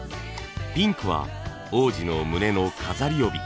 ピンクは王子の胸の飾り帯。